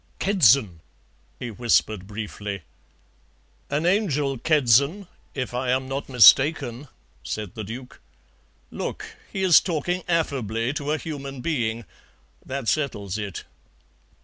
"Kedzon," he whispered briefly. "An Angel Kedzon, if I am not mistaken," said the Duke. "Look, he is talking affably to a human being. That settles it."